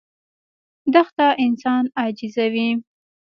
دښته انسان عاجزوي.